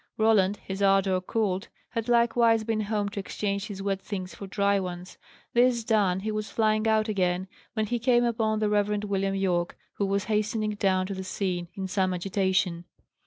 Roland, his ardour cooled, had likewise been home to exchange his wet things for dry ones. This done, he was flying out again, when he came upon the Reverend William Yorke, who was hastening down to the scene, in some agitation.